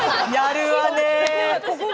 やるわね！